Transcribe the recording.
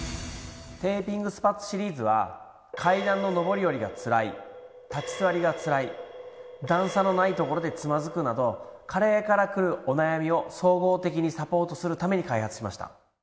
テーピングスパッツシリーズは階段の上り下りがつらい立ち座りがつらい段差のない所でつまずくなど加齢からくるお悩みを総合的にサポートするために開発しました。